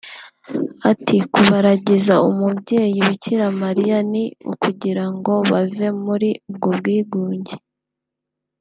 Ati “Kubaragiza umubyeyi Bikira Mariya ni ukugira ngo bave muri ubwo bwigunge